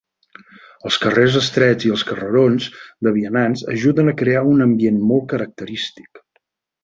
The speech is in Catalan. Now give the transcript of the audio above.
Els carrers estrets i els carrerons de vianants ajuden a crear un ambient molt característic.